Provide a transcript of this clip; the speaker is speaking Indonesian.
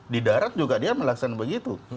di darat juga dia melaksanakan begitu